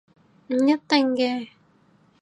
唔一定嘅